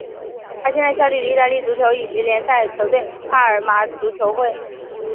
他现在效力于意大利足球乙级联赛球队帕尔马足球会。